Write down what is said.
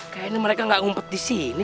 kayaknya mereka nggak ngumpet di sini